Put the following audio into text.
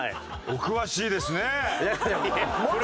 お詳しいですね！